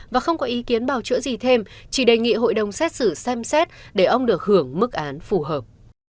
và không có ý kiến bào chữa gì thêm chỉ đề nghị hội đồng xét xử xem xét để ông được hưởng mức án phù hợp